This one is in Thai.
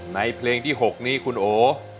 เพลงที่๖นี้คุณโอ